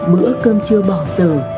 bữa cơm chưa bỏ giờ